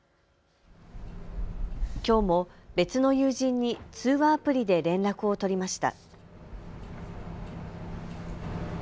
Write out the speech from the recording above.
きょうも別の友人に通話アプリで連絡を取りました。